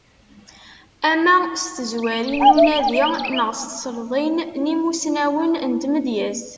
Ama s tezrawin n unadi neɣ s tselḍin n yimussnawen n tmedyazt.